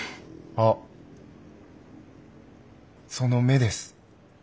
あっその目です。